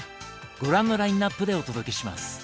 ご覧のラインナップでお届けします。